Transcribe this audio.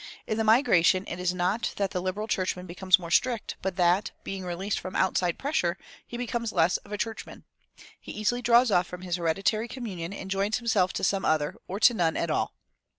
In the migration it is not that the liberal churchman becomes more strict, but that, being released from outside pressure, he becomes less of a churchman. He easily draws off from his hereditary communion and joins himself to some other, or to none at all.